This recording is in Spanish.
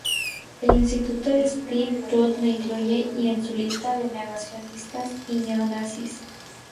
El Instituto Stephen Roth lo incluye en su lista de páginas negacionistas y neonazis.